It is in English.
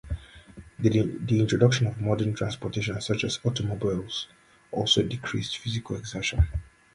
The introduction of modern transportation such as automobiles also decreased physical exertion.